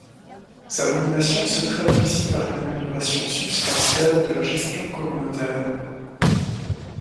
Sa nomination se traduisit par une amélioration substantielle de la gestion communautaire.